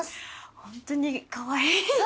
本当にかわいい。